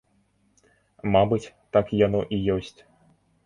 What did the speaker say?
Мабыць, так яно і ёсць.